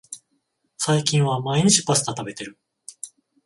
最近は毎日パスタ食べてる